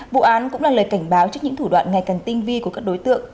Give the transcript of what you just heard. vụ án cũng là lời cảnh báo trước những thủ đoạn ngày càng tinh vi của các đối tượng